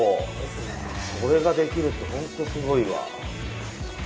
それができるって本当にすごいわ！